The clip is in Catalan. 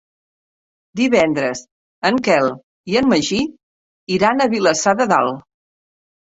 Divendres en Quel i en Magí iran a Vilassar de Dalt.